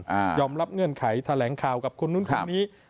อ่ายอมรับเงื่อนไขแถลงคาวกับคนนู้นคนนี้ครับ